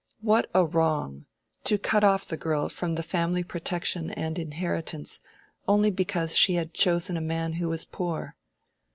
What a wrong, to cut off the girl from the family protection and inheritance only because she had chosen a man who was poor!